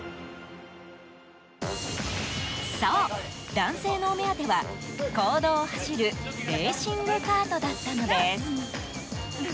そう、男性のお目当ては公道を走るレーシングカートだったのです。